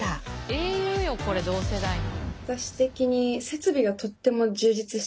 英雄よこれ同世代の。